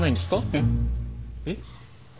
えっ。えっ？